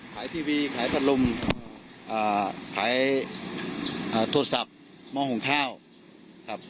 ขายทีวีขายตัดลมอ่าขายอ่าโทรศัพท์มองของข้าวครับ